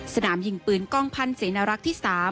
สนามยิงปืนกล้องพันธ์เสนรักษ์ที่๓